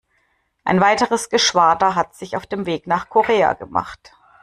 Ein weiteres Geschwader hat sich auf den Weg nach Korea gemacht.